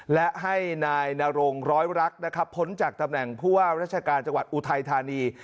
และให้นายนรงร้อยรักนะครับพ้นจากตำแหน่งผู้ว่าราชการจังหวัดอุทัยธานี